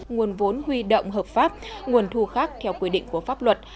nguồn vốn huy động hợp pháp nguồn thu khác theo quy định của pháp luật